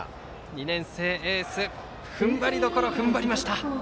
２年生エース踏ん張りどころを踏ん張りました。